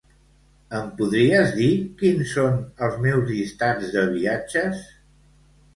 Em podries dir quins són els meus llistats de viatges?